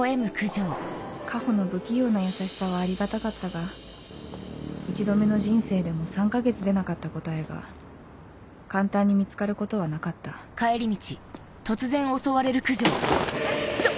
夏穂の不器用な優しさはありがたかったが１度目の人生でも３か月出なかった答えが簡単に見つかることはなかったちょ！